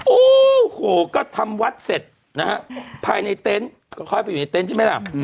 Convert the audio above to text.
โอ้โหก็ทำวัดเสร็จนะฮะภายในเต็นต์ก็ค่อยไปอยู่ในเต็นต์ใช่ไหมล่ะ